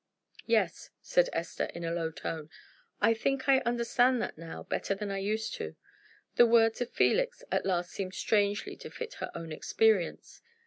"Yes," said Esther, in a low tone, "I think I understand that now, better than I used to do." The words of Felix at last seemed strangely to fit her own experience.